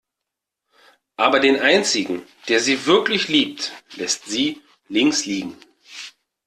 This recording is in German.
Aber den einzigen, der sie wirklich liebt, lässt sie links liegen.